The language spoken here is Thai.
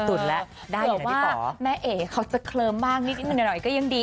ตุ๋นแล้วเดี๋ยวว่าแม่เอกเขาจะเคลิ้มมากนิดหนึ่งหน่อยก็ยังดี